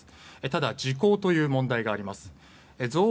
ただ時効という問題があります。